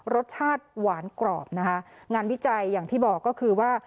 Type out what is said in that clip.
รสชาติหวานกรอบนะคะงานวิจัยอย่างที่บอกก็คือว่า